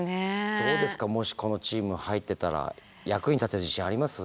もしこのチーム入ってたら役に立てる自信あります？